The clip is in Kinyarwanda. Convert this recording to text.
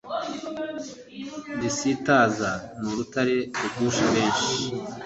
risitaza n urutare rugusha benshi